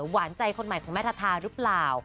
หวานใจคนใหม่ของแม่ทาทาหรือเปล่า